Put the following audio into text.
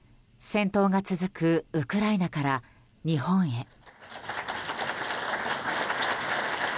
戦闘が続くウクライナから日本へ。